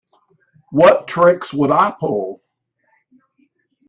What tricks would I pull?